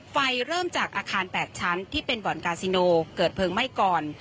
ไฟเริ่มจากอาคาร๘ชั้นที่เป็นบ่อนกาซิโนเกิดเพลิงไหม้ก่อน